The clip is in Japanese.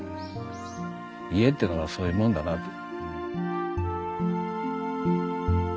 家っていうのはそういうもんだなあと。